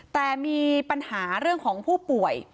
แต่มีปัญหาของผู้ป่วย